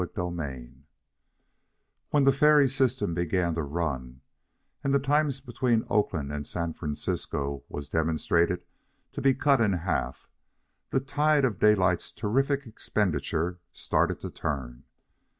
CHAPTER XX When the ferry system began to run, and the time between Oakland and San Francisco was demonstrated to be cut in half, the tide of Daylight's terrific expenditure started to turn.